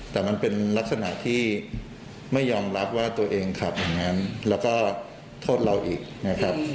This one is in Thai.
แต่มันเป็นลักษณะที่ไม่ยอมรับว่าตัวเองขับอย่างนั้นแล้วก็โทษเราอีกนะครับ